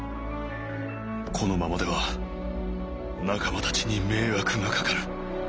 「このままでは仲間たちに迷惑がかかる」。